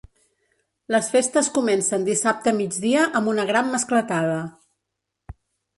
Les festes comencen dissabte a migdia amb una gran mascletada.